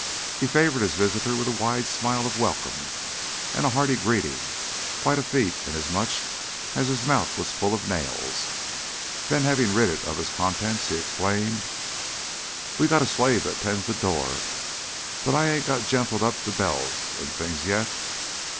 He favored his visitor with a wide smile of welcome and a hearty greeting quite a feat, inasmuch as his mouth was full of nails then, having rid it of its contents, he explained: "We got a slave that tends the door, but I 'ain't got gentled up to bells an' things yet.